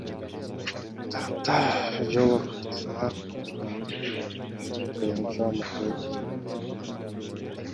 Тараптар жол картасына кол коюу боюнча макулдашышкан.